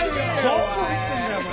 どこ打ってんだよお前！